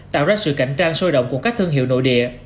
tạo ra sự cạnh tranh sôi động của các thương hiệu nội địa